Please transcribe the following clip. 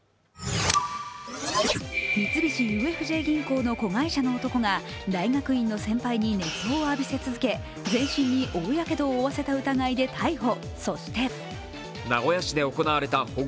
三菱ＵＦＪ銀行の子会社の男が大学院の先輩に熱湯を浴びせ続け全身に大やけどを負わせた疑いで逮捕。